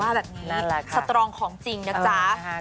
เธอว่าแบบนี้สตรองของจริงนะจ๊ะ